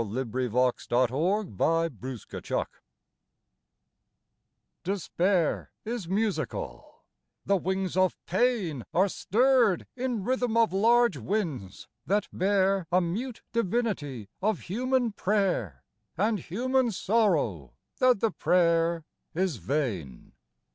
in XVIII TO GIACOMO LEOPARDI DESPAIR is musical, the wings of pain Are stirred in rhythm of large winds that bear A mute divinity of human prayer And human sorrow that the prayer is vain.